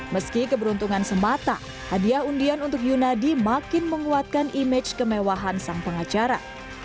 meski keberuntungan semata hadiah undian untuk yunadi makin menguatkan image kemewahan sang pengacara